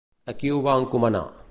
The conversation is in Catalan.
A qui ho va encomanar?